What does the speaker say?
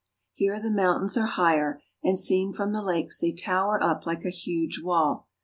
Here the mountains are higher, and seen from the lakes they tower up like a huge wall.